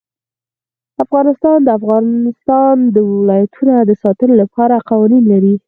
افغانستان د د افغانستان ولايتونه د ساتنې لپاره قوانین لري.